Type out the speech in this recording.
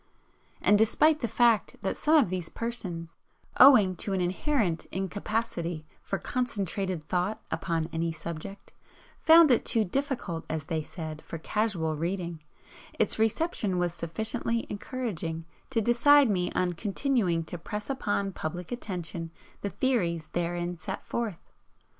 And despite the fact that some of these persons, owing to an inherent incapacity for concentrated thought upon any subject, found it too 'difficult' as they said, for casual reading, its reception was sufficiently encouraging to decide me on continuing to press upon public attention the theories therein set forth.